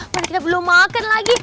karena kita belum makan lagi